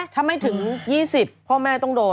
ถ้าไม่ถึง๒๐พ่อแม่ต้องโดน